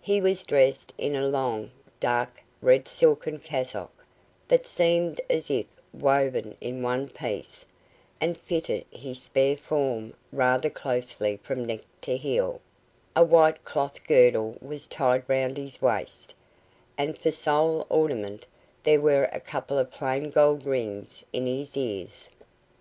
He was dressed in a long, dark, red silken cassock, that seemed as if woven in one piece, and fitted his spare form rather closely from neck to heel; a white cloth girdle was tied round his waist, and for sole ornament there were a couple of plain gold rings in his ears.